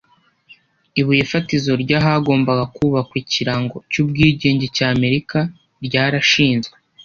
Ibuye fatizo ry’ahagombaga kubakwa ikirango cy’ubwigenge cya Amerika ryarashinzwe